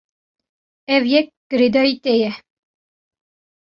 Ev yek girêdayî te ye.